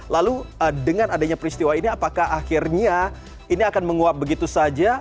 lalu dengan adanya peristiwa ini apakah akhirnya ini akan menguap begitu saja